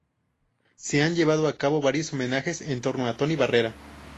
Se han llevado a cabo varios homenajes en torno a Tony Barrera.